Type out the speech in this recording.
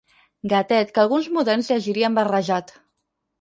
Gatet que alguns moderns llegirien barrejat.